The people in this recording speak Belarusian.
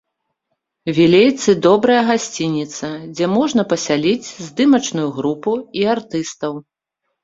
Вілейцы добрая гасцініца, дзе можна пасяліць здымачную групу і артыстаў.